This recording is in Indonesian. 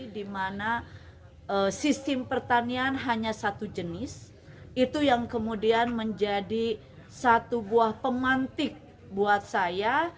di mana sistem pertanian hanya satu jenis itu yang kemudian menjadi satu buah pemantik buat saya